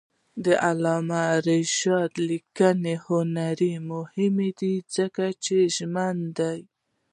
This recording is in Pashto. د علامه رشاد لیکنی هنر مهم دی ځکه چې ژمن دی.